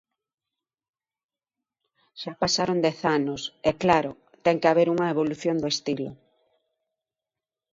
Xa pasaron dez anos e, claro, ten que haber unha evolución do estilo.